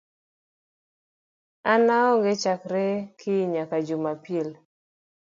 An aonge chakre kiny nyaka Jumapil